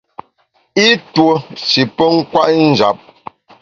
I tuo shi pe kwet njap.